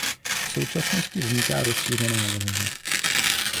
V současnosti vzniká rozšířená verze.